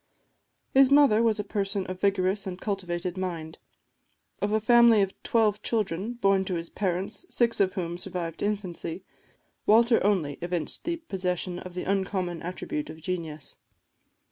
His mother was a person of a vigorous and cultivated mind. Of a family of twelve children, born to his parents, six of whom survived infancy, Walter only evinced the possession of the uncommon attribute of genius.